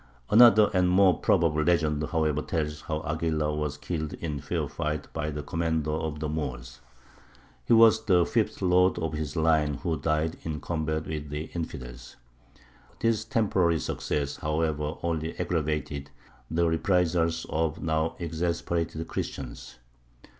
Another and more probable legend, however, tells how Aguilar was killed in fair fight by the commander of the Moors. He was the fifth lord of his line who died in combat with the infidels. This temporary success, however, only aggravated the reprisals of the now exasperated Christians.